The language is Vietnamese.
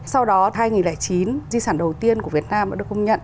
sau đó hai nghìn chín di sản đầu tiên của việt nam đã được công nhận